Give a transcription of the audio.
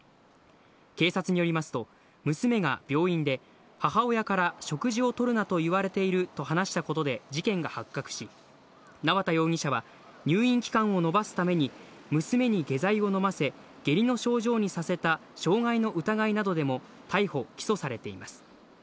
警察によりますと、娘が病院で、母親から食事をとるなと言われていると話したことで事件が発覚し、縄田容疑者は入院期間を延ばすために娘に下剤を飲ませ、下痢の症状にさせた傷害の疑いなどでも逮捕・起訴されています。